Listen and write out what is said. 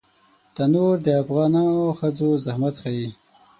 تنور د افغانو ښځو زحمت ښيي